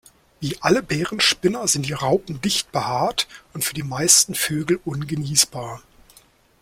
Wie alle Bärenspinner sind die Raupen dicht behaart und für die meisten Vögel ungenießbar.